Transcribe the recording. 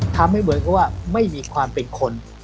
ทำให้เหมือนกับว่าไม่มีความเป็นคน